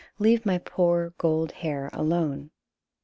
Leave my poor gold hair alone